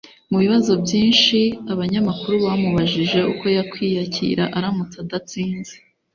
Mu bibazo byinshi abanyamakuru bamubajije uko yakwiyakira aramutse adatsinze